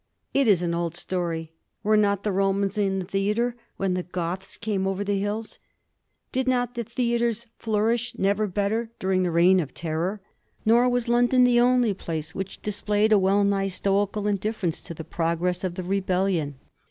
It is an old story. Were not the Romans in the theatre when the Goths came over the hills ? Did not the theatres flourish, never better, during the Reign of Terror ? Nor was London the only place which displayed a well nigh stoical indifference to the progress of the rebellion.